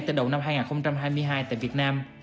từ đầu năm hai nghìn hai mươi hai tại việt nam